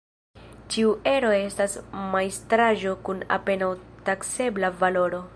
Ĉiu ero estas majstraĵo kun apenaŭ taksebla valoro.